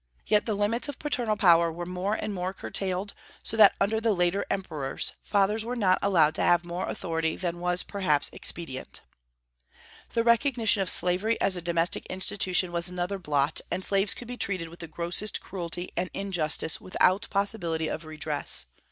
Yet the limits of paternal power were more and more curtailed, so that under the later emperors fathers were not allowed to have more authority than was perhaps expedient. The recognition of slavery as a domestic institution was another blot, and slaves could be treated with the grossest cruelty and injustice without possibility of redress.